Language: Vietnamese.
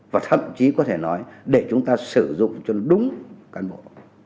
và thậm chí có thể nói để chúng ta sử dụng cho đúng cán bộ